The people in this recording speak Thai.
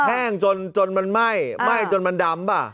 แห้งจนมันไหม้ไหม้จนมันดำป่ะ